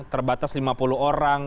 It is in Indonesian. terbatas lima puluh orang